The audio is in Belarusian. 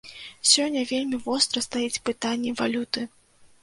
Сёння вельмі востра стаіць пытанне валюты.